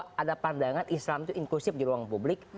kalau ada pandangan islam itu inklusif di ruang publik